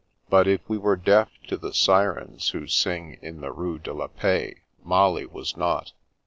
But, if we were deaf to the sirens who sing in the Rue de la Paix, Molly was not.